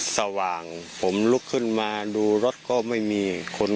สว่างผมลุกขึ้นมาดูรถก็ไม่มีคน